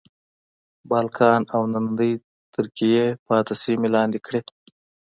بالکان او نننۍ ترکیې پاتې سیمې لاندې کړې.